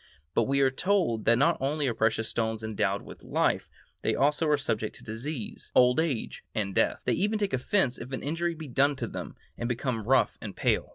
But we are told that not only are precious stones endowed with life, they also are subject to disease, old age, and death; "they even take offence if an injury be done to them, and become rough and pale."